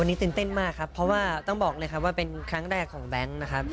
วันนี้ตื่นเต้นมากครับเพราะว่าต้องบอกเลยครับว่าเป็นครั้งแรกของแบงค์นะครับ